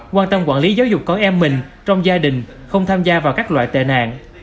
quan tâm quản lý giáo dục con em mình trong gia đình không tham gia vào các loại tệ nạn